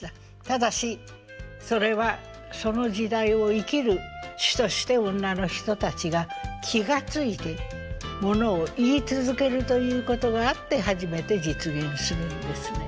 ただしそれはその時代を生きる主として女の人たちが気が付いてものを言い続けるということがあって初めて実現するんですね。